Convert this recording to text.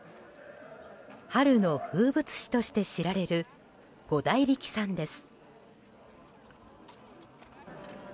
春の風物詩として知られる五大力さんです。